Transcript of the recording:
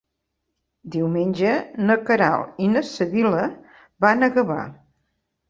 Diumenge na Queralt i na Sibil·la van a Gavà.